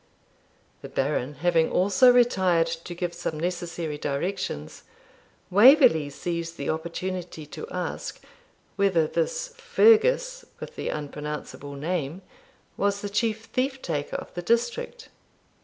The Baron having also retired to give some necessary directions, Waverley seized the opportunity to ask, whether this Fergus, with the unpronounceable name, was the chief thief taker of the district?